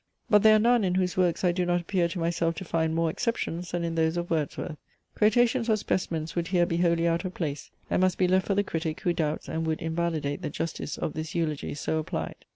But there are none, in whose works I do not appear to myself to find more exceptions, than in those of Wordsworth. Quotations or specimens would here be wholly out of place, and must be left for the critic who doubts and would invalidate the justice of this eulogy so applied.